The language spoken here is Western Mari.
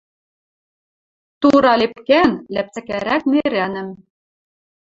Тура лепкӓӓн, ляпцӓкӓрӓк нерӓнӹм...